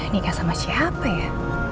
nikah sama siapa ya